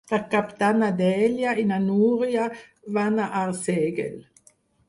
Per Cap d'Any na Dèlia i na Núria van a Arsèguel.